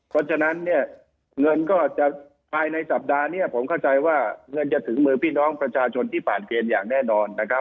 เพราะฉะนั้นเนี่ยเงินก็จะภายในสัปดาห์นี้ผมเข้าใจว่าเงินจะถึงมือพี่น้องประชาชนที่ผ่านเกณฑ์อย่างแน่นอนนะครับ